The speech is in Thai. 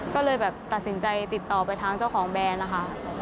ก็เลยแบบตัดสินใจติดต่อไปทางเจ้าของแบรนด์นะคะ